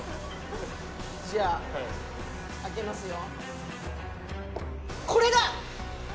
じゃあ、開けますよ。